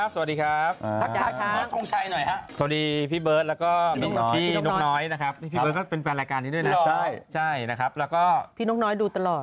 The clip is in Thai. สวัสดีครับสวัสดีครับสวัสดีพี่เบิร์ตแล้วก็พี่นกน้อยนะครับพี่เบิร์ตก็เป็นแฟนรายการนี้ด้วยนะครับพี่นกน้อยดูตลอด